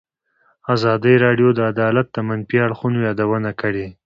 ازادي راډیو د عدالت د منفي اړخونو یادونه کړې.